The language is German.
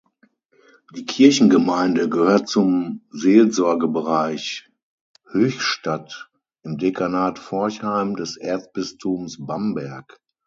Die Kirchengemeinde gehört zum Seelsorgebereich Höchstadt im Dekanat Forchheim des Erzbistums Bamberg.